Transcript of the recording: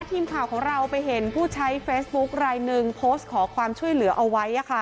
ทีมข่าวของเราไปเห็นผู้ใช้เฟซบุ๊คลายหนึ่งโพสต์ขอความช่วยเหลือเอาไว้